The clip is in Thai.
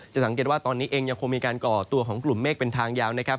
สังเกตว่าตอนนี้เองยังคงมีการก่อตัวของกลุ่มเมฆเป็นทางยาวนะครับ